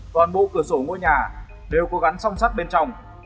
toàn bộ cửa sổ ngôi nhà đều có gắn song sắt bên trong